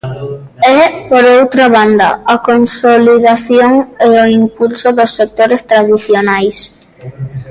E, por outra banda, a consolidación e o impulso dos sectores tradicionais.